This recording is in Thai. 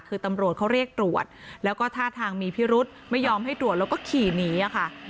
คือตำรวจเขาเรียกตรวจแล้วก็ท่าทางมีพิรุธไม่ยอมให้ตรวจแล้วก็ขี่หนีค่ะ